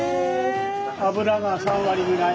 脂が３割ぐらい。